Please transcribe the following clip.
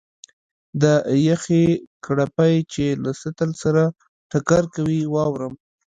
د یخې کړپی چې له سطل سره ټکر کوي، واورم.